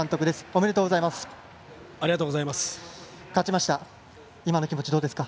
おめでとうございます。